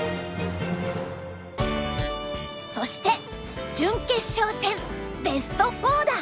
そして準決勝戦ベスト４だ！